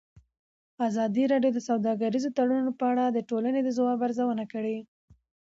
ازادي راډیو د سوداګریز تړونونه په اړه د ټولنې د ځواب ارزونه کړې.